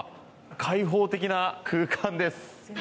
開放的な空間です。